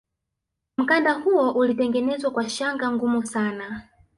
mkanda huo ulitengenezwa kwa shanga ngumu sana